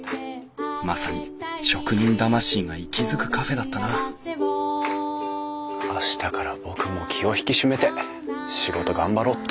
まさに職人魂が息づくカフェだったな明日から僕も気を引き締めて仕事頑張ろっと！